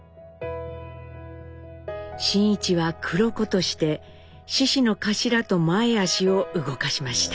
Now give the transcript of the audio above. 真一は黒子として獅子の頭と前足を動かしました。